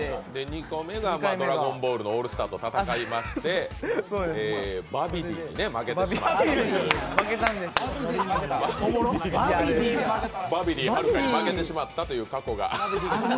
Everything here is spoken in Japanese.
２個目が「ドラゴンボール」のオールスターと戦いましてバビディはるかに負けてしまったという。